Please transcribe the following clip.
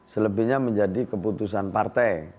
selebihnya menjadi keputusan partai